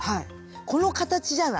この形じゃない？